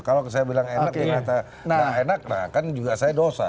kalau saya bilang enak yang enak kan juga saya dosa